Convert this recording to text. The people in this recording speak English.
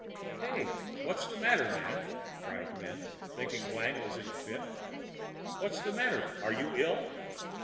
"Hey! what's the matter, man?" cried Lin, thinking Wang was in a fit. "What's the matter? Are you ill?"